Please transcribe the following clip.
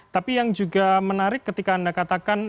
tapi yang juga menarik ketika anda katakan